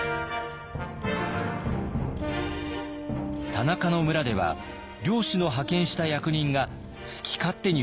田中の村では領主の派遣した役人が好き勝手に振る舞っていました。